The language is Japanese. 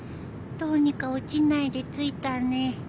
どうにか落ちないで着いたね。